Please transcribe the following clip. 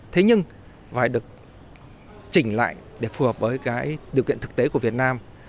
thế nhưng phải được chỉnh lại để phù hợp với cái điều kiện thực tế của việt nam